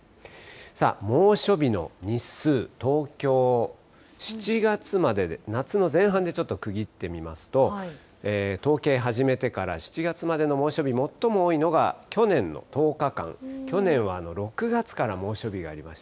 さあ、猛暑日の日数、東京、７月までで、夏の前半でちょっと区切ってみますと、統計始めてから７月までの猛暑日、もっとも多いのが去年の１０日間、去年は６月から猛暑日がありまし